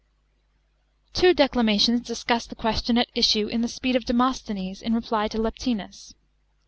Two declamations discuss the question at issue in the speech of Demosthenes in reply to Leptines.